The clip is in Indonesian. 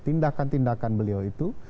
tindakan tindakan beliau itu